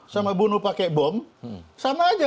sama bunuh pakai bom sama aja